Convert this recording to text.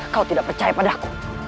kau tidak percaya padaku